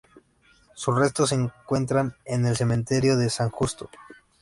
Sus restos se encuentran en el cementerio de San Justo.